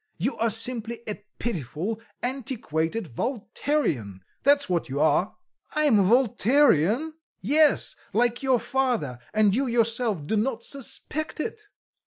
you are simply a pitiful, antiquated Voltairean, that's what you are!" "I'm a Voltairean?" "Yes, like your father, and you yourself do not suspect it."